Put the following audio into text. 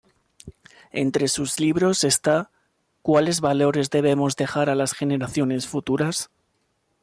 Entre sus libros está "¿Cuáles Valores Debemos Dejar a las Generaciones Futuras?